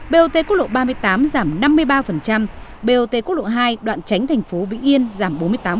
bot quốc lộ ba mươi tám giảm năm mươi ba bot quốc lộ hai đoạn tránh thành phố vĩnh yên giảm bốn mươi tám